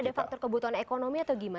ini ada faktor kebutuhan ekonomi atau bagaimana